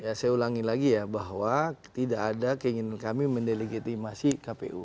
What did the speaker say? ya saya ulangi lagi ya bahwa tidak ada keinginan kami mendelegitimasi kpu